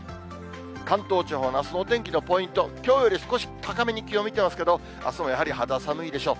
関東地方のあすのお天気のポイント、きょうより少し高めに気温見てますけど、あすもやはり肌寒いでしょう。